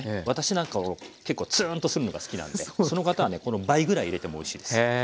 私なんかは結構ツーンとするのが好きなんでその方はねこの倍ぐらい入れてもおいしいですよ。